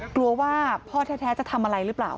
กลัวว่าพ่อแท้จะทำอะไรหรือเปล่า